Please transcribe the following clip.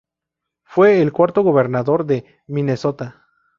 Fue el cuarto gobernador de Minnesota.